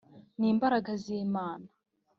n imbaraga z imana